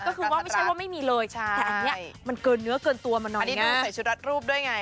ก็คือว่าไม่ใช่ว่าไม่มีเลยแต่อันนี้มันเกินเนื้อเกินตัวมาหน่อยอันนี้ดูใส่ชุดรัดรูปด้วยไง